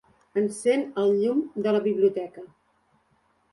Encén el llum de la biblioteca.